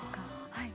はい。